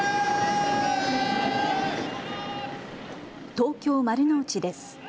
東京丸の内です。